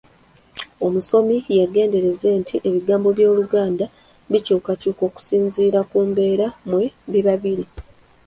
Omusomi yeegendereze nti ebigambo by’Oluganda bikyukakyuka okusinziira ku mbeera mwe biba biri.